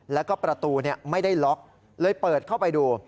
แล้วก็ประตูไม่ได้ล็อกเลยเปิดเข้าไปดู